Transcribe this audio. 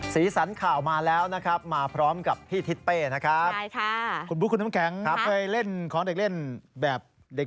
สีสันข่าวมาแล้วนะครับมาพร้อมกับพี่ทิศเป้นะครับ